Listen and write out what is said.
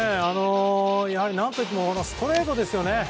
何といってもストレートですよね。